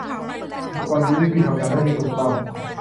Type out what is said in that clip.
อุปกรณ์ยูเอสบีทำงานได้ไม่ถูกต้อง